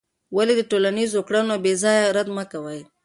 ولې د ټولنیزو کړنو بېځایه رد مه کوې؟